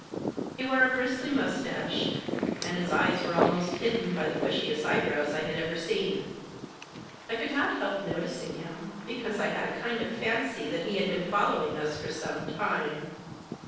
He wore a bristly moustache, and his eyes were almost hidden by the bushiest eyebrows I had ever seen. I could not help noticing him, because I had a kind of fancy that he had been following us for some time.